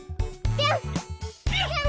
ぴょん！